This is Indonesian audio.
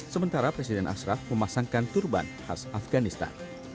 sementara presiden ashraf memasangkan turban khas afganistan